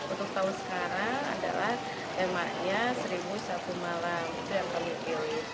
untuk tahun sekarang adalah temanya seribu satu malam itu yang kami pilih